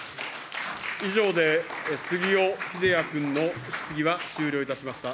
以上で、杉尾秀哉君の質疑は終了いたしました。